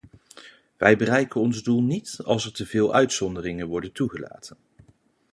Wij bereiken ons doel niet als er te veel uitzonderingen worden toegelaten.